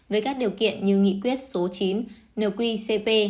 với các điều kiện như nghị quyết số chín nợ quy cp